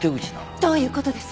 どういう事です？